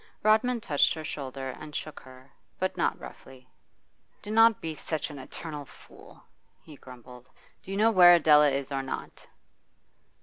Rodman touched her shoulder and shook her, but not roughly. 'Do not be such an eternal fool!' he grumbled. 'Do you know where Adela is or not?